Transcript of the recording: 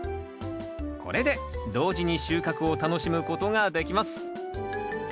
これで同時に収穫を楽しむことができます